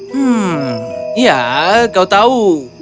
hmm ya kau tahu